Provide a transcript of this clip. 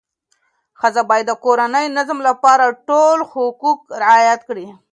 ښځه باید د کورني نظم لپاره ټول حقوق رعایت کړي.